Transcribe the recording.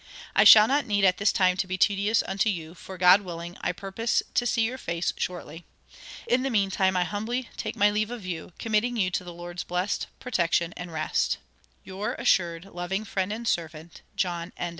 "I shall not need at this time to be tedious unto you, for, God willing, I purpose to see your face shortly. In the meantime I humbly take my leave of you, committing you to the Lord's blessed protection, and rest "Your assured loving friend and servant, "JOHN ENDICOTT."